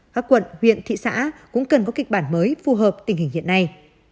các quận huyện thị xã cũng cần có kịch bản mới phù hợp tình hình hiện nay